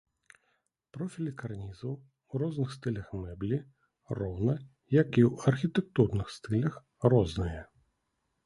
Профілі карнізаў у розных стылях мэблі, роўна, як і ў архітэктурных стылях, розныя.